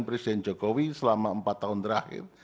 presiden jokowi selama empat tahun terakhir